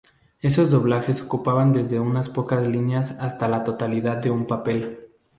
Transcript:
Esos doblajes ocupaban desde unas pocas líneas hasta la totalidad de un papel.